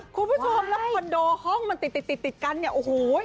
คุณผู้ชมแล้วกับคอนโดห้องมันติดกันโอ้โหอิ